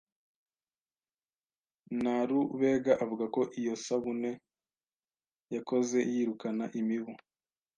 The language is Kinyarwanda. Nalubega avuga ko iyo sabune yakoze yirukana imibu –